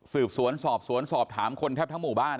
สืบสวนสอบสวนสอบถามคนแทบทั้งหมู่บ้าน